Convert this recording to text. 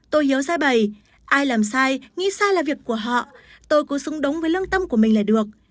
tôi hiếu ra bày ai làm sai nghĩ sai là việc của họ tôi cứ xung đống với lương tâm của mình là được